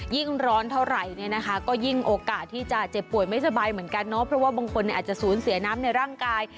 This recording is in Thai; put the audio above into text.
ยิ่งร้อนเท่าไหร่เนี่ยนะคะก็ยิ่งโอกาสที่จะเจ็บป่วยไม่สบายเหมือนกันเนาะเพราะว่าบางคนอาจจะสูญเสียน้ำในร่างกาย